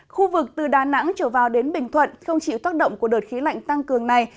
khu vực từ đà nẵng trở vào đến bình thuận không chịu tác động của đợt khí lạnh tăng cường này